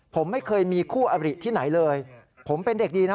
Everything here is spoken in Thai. ผมไม่เคยมีคู่อบริที่ไหนเลยผมเป็นเด็กดีนะ